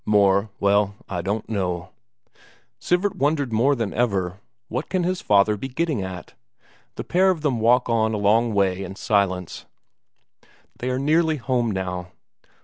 More ... well, I don't know...." Sivert wondering more than ever what can his father be getting at? The pair of them walk on a long way in silence; they are nearly home now.